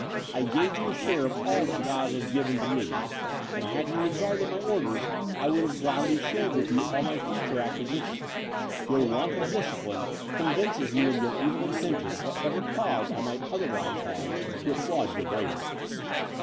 I gave you a share of all that God had given to me; and had ye regarded my orders, I would have gladly shared with you all my future acquisitions. Your want of discipline convinces me of your evil intentions, whatever cause I might otherwise have to applaud your bravery."